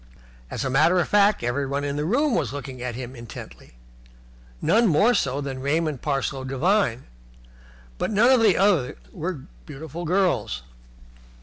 As a matter of fact, everyone in the room was looking at him intently, none more so than Raymond Parsloe Devine, but none of the others were beautiful girls.